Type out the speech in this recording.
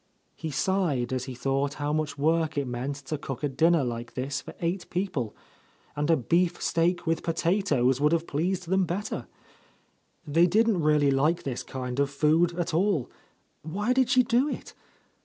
He sighed as he thought how much work it meant to cook a din — t6t — A Lost Lady ner like this for eight people, — and a beefsteak with potatoes would have pleased them better! They didn't really like this kind of food at all. Why did she do it?